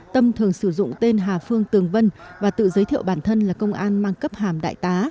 tâm thường sử dụng tên hà phương tường vân và tự giới thiệu bản thân là công an mang cấp hàm đại tá